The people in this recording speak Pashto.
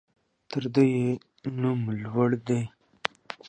تر ده يې نوم لوړ دى.